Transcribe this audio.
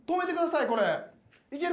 いける？